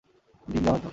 ডিম দেয় হয়তো!